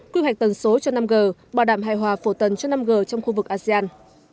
quy hoạch tần số cho năm g bảo đảm hài hòa phổ tần cho năm g trong khu vực asean